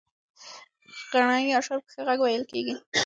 غنایي اشعار په ښه غږ ویل کېږي.